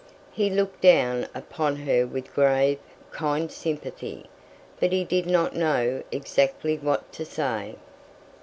He looked down upon her with grave, kind sympathy, but he did not know exactly what to say.